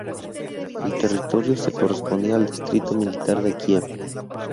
El territorio se correspondía al Distrito Militar de Kiev.